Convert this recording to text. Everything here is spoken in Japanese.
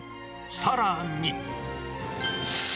さらに。